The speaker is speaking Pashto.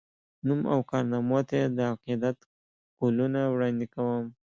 نوم او کارنامو ته یې د عقیدت ګلونه وړاندي کوم